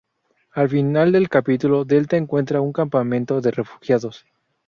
Al final del capítulo, delta encuentra un campamento de refugiados.